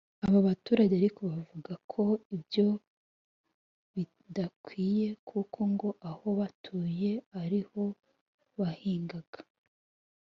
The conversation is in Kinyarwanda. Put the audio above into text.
Aba baturage ariko bavuga ko ibyo bidakwiye kuko ngo aho batuye ariho bahingaga